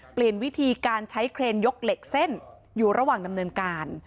เปลี่ยนวิธีการใช้เครนยกเหล็กเส้นอยู่ระหว่างดำเนินการ